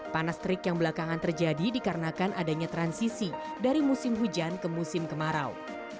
panas terik yang belakangan terjadi dikarenakan adanya transisi dari musim hujan ke musim kemarau